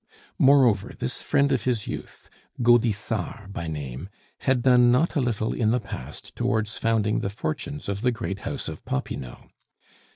Moreover, this friend of his youth, Gaudissart by name, had done not a little in the past towards founding the fortunes of the great house of Popinot.